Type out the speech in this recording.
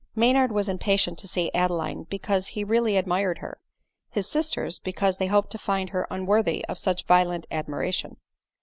Maynard was impatient to see Adeline be cause he really admired her ; his sisters, because they hoped to find her unworthy of such violent admiration.